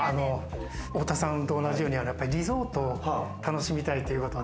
太田さんと同じようにリゾートを楽しみたいということで。